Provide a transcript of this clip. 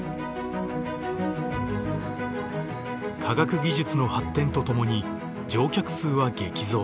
科学技術の発展とともに乗客数は激増。